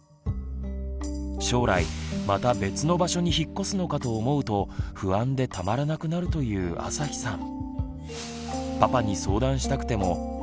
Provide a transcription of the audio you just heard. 将来また別の場所に引っ越すのかと思うと不安でたまらなくなるというあさひさん。